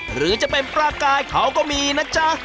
หรือจะเป็นปลากายเขาก็มีนะจ๊ะ